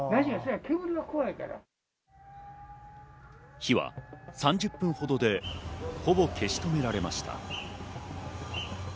火は３０分ほどで、ほぼ消し止められました。